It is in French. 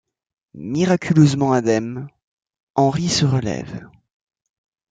Miraculeusement indemne, Henry se relève.